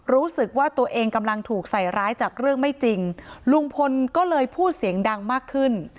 รู้สึกว่าตัวเองกำลังถูกใส่ร้ายจากเรื่องไม่จริงลุงพลก็เลยพูดเสียงดังมากขึ้น